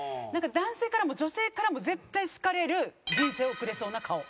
なんか男性からも女性からも絶対好かれる人生を送れそうな顔。